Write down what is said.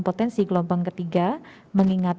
potensi gelombang ketiga mengingat